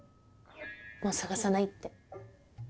もう捜さないって。